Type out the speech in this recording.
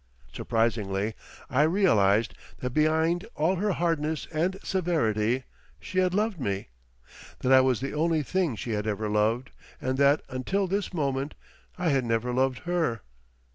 Surprisingly I realised that behind all her hardness and severity she had loved me, that I was the only thing she had ever loved and that until this moment I had never loved her.